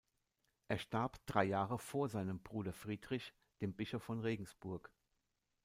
Er starb drei Jahre vor seinem Bruder Friedrich, dem Bischof von Regensburg.